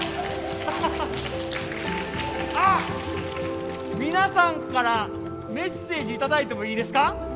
あっ皆さんからメッセージ頂いてもいいですか？